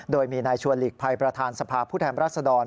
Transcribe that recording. โดยมีนายชวนหลีกภัยประธานสภาพผู้แทนรัศดร